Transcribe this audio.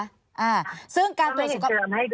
ก็มาเผาเจิมให้ดูค่ะ